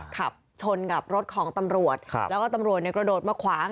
ขับชนกับรถของตำรวจแล้วก็ตำรวจเนี่ยกระโดดมาขวาง